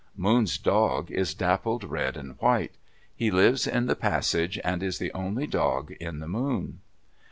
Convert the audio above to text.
Moon's dog is dappled red and white. He lives in the passage, and is the only dog in the moon.